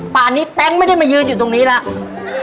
ป่านนี้แต๊งไม่ได้มายืนอยู่ตรงนี้แล้ว